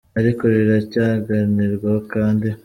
ariko riracyaganirwaho kandi